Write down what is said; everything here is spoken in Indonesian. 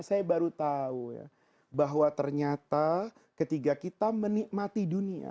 saya baru tahu ya bahwa ternyata ketika kita menikmati dunia